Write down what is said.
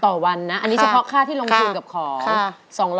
ต่อวันนะอันนี้เฉพาะค่าที่ลงทุนกับของ